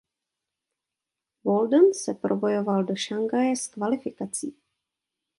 Walden se probojoval do Šanghaje z kvalifikací.